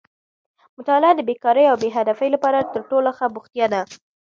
مطالعه د بېکارۍ او بې هدفۍ لپاره تر ټولو ښه بوختیا ده.